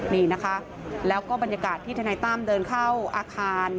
นี่นะคะแล้วก็บรรยากาศที่ทนายตั้มเดินเข้าอาคาร